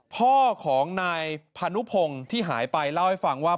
พ่อของนายพานุพงศ์ที่หายไปเล่าให้ฟังว่า